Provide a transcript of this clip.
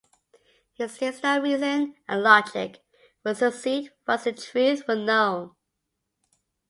He states that reason and logic would succeed once the truth were known.